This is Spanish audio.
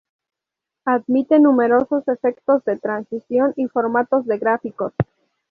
Admite numerosos efectos de transición y formatos de gráficos.